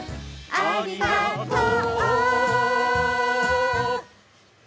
ありがとう。